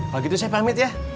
kalau gitu saya pamit ya